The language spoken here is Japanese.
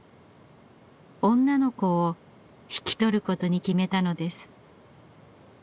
女の子を引き取ることに決めたのです。